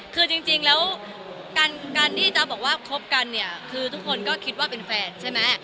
คือจริงแล้วการที่จ๊ะบอกว่าคบกันเนี่ยคือทุกคนก็คิดว่าเป็นแฟนใช่ไหม